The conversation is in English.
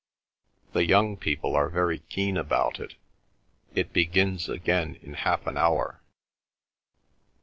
"The young people are very keen about it. It begins again in half an hour."